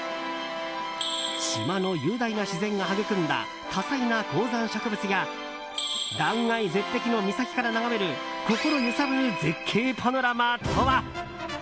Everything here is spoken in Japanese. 島の雄大な自然が育んだ多彩な高山植物や断崖絶壁の岬から眺める心揺さぶる絶景パノラマとは？